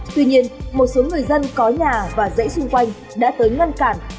tuy nhiên một số người dân có nhà và dãy xung quanh đã tới ngăn cản